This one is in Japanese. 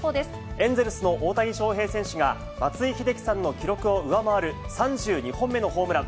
エンゼルスの大谷翔平選手が、松井秀喜さんの記録を上回る３２本目のホームラン。